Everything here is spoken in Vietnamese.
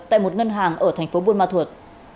tại một ngân hàng ở thành phố buôn ma thuột